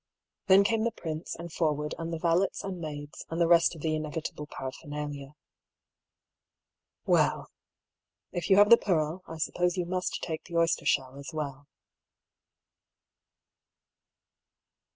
Then came the prince, and Forwood, and the valets and maids, and the rest of the inevitable paraphernalia. Well I if you have the pearl, I suppose you must take the oystershell as well.